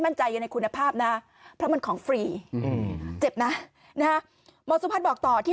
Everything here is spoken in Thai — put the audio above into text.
มั่นใจในคุณภาพนะเพราะมันของฟรีเจ็บนะบอกต่อที่